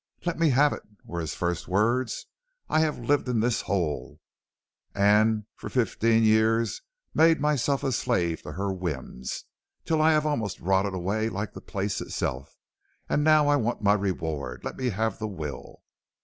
"'Let me have it,' were his first words. 'I have lived in this hole, and for fifteen years made myself a slave to her whims, till I have almost rotted away like the place itself. And now I want my reward. Let me have the will.'